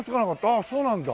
ああそうなんだ。